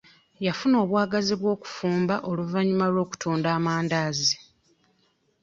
Yafuna obwagazi mu kufumba oluvannyuma lw'okutunda amandaazi.